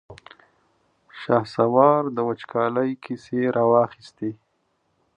شهسوار د وچکالۍ کيسې را واخيستې.